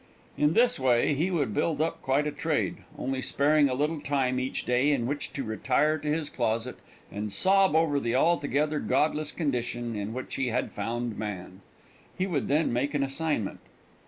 In this way he would build up quite a trade, only sparing a little time each day in which to retire to his closet and sob over the altogether godless condition in which he had found man. He would then make an assignment.